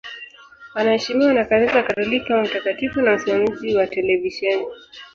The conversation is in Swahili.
Anaheshimiwa na Kanisa Katoliki kama mtakatifu na msimamizi wa televisheni.